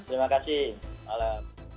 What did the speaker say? terima kasih malam